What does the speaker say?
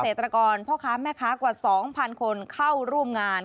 เกษตรกรพ่อค้าแม่ค้ากว่า๒๐๐คนเข้าร่วมงาน